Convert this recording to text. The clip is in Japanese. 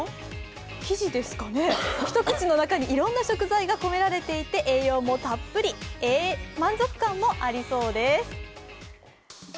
ひとくちの中にいろいろな食材も込められていて栄養たっぷり満足感もありそうです。